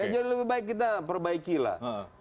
jadi lebih baik kita perbaiki lah